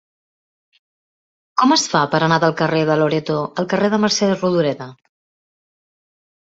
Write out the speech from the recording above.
Com es fa per anar del carrer de Loreto al carrer de Mercè Rodoreda?